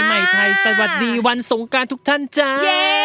ใหม่ไทยสวัสดีวันสงการทุกท่านจ้า